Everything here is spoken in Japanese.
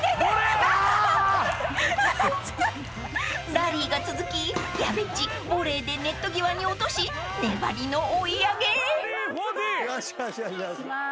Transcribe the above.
［ラリーが続きやべっちボレーでネット際に落とし粘りの追い上げ］いきます。